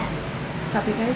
kkpk itu apa